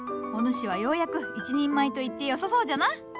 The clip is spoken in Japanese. お主はようやく一人前と言ってよさそうじゃな。